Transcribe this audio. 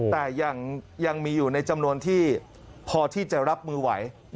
แต่ยังมีอยู่ในจำนวนที่พอที่จะรับมือไหว